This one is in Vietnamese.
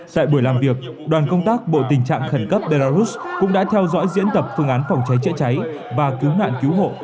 tại buổi làm việc đoàn công tác bộ tình trạng khẩn cấp belarus cũng đã theo dõi diễn tập phương án phòng cháy chữa cháy và cứu nạn cứu hộ